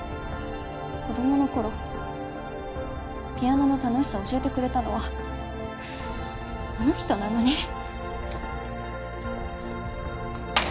子供の頃ピアノの楽しさを教えてくれたのはあの人なのに。